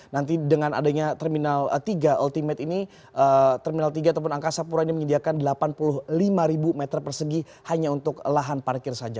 nanti dengan adanya terminal tiga ultimate ini terminal tiga ataupun angkasa pura ini menyediakan delapan puluh lima meter persegi hanya untuk lahan parkir saja